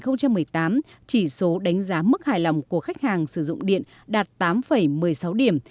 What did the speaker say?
năm hai nghìn một mươi tám chỉ số đánh giá mức hài lòng của khách hàng sử dụng điện đạt tám một mươi sáu điểm